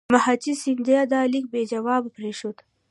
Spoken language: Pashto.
مهاجي سیندیا دا لیک بې جوابه پرېښود.